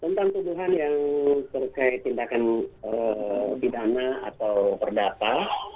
tentang tuduhan yang terkait tindakan pidana atau perdata